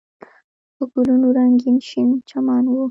په ګلونو رنګین شین چمن و.